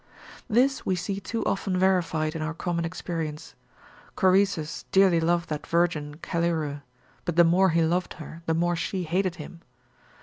This we see too often verified in our common experience. Choresus dearly loved that virgin Callyrrhoe; but the more he loved her, the more she hated him.